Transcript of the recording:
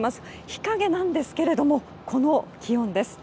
日陰なんですけれどこの気温です。